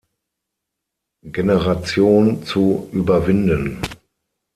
Generation zu überwinden.